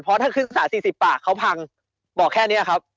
เพราะถ้าขึ้นศึกษา๔๐ปากเขาพังบอกแค่นี้ครับ